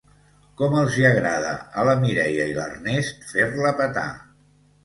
Com els hi agrada a la Mireia i l'Ernest fer-la petar.